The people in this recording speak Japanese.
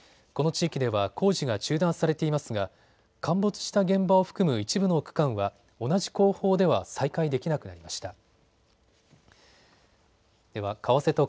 この地域では工事が中断されていますが陥没した現場を含む一部の区間は同じ工法では再開できなくなりました。